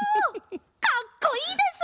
かっこいいです！